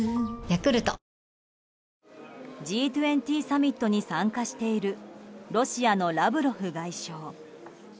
Ｇ２０サミットに参加しているロシアのラブロフ外相。